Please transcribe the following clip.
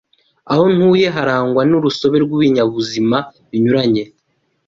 Aho ntuye harangwa n’urusobe rw’ibinyabuzima binyuranye